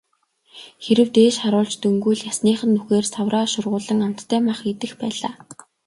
Хэрэв дээш харуулж дөнгөвөл ясных нь нүхээр савраа шургуулан амттай мах идэх байлаа.